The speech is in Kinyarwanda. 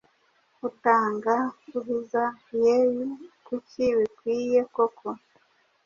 Utanga, ubiza Yeu Kuki bikwiyekoko